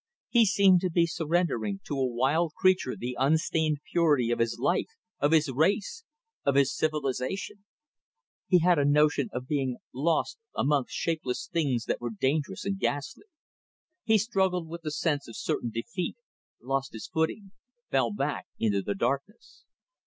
He seemed to be surrendering to a wild creature the unstained purity of his life, of his race, of his civilization. He had a notion of being lost amongst shapeless things that were dangerous and ghastly. He struggled with the sense of certain defeat lost his footing fell back into the darkness.